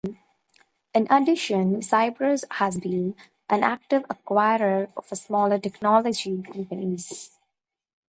In addition, Cypress has been an active acquirer of smaller technology companies.